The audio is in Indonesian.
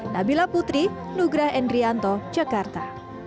nabila putri nugra endrianto jakarta